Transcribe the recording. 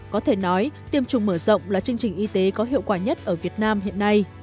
có thể nói tiêm chủng mở rộng là chương trình y tế có hiệu quả nhất ở việt nam hiện nay